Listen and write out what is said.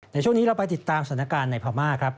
ในช่วงนี้เราไปติดตามสถานการณ์ในพม่าครับ